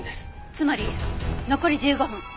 つまり残り１５分。